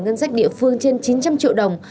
ngân sách địa phương trên chín trăm linh triệu đồng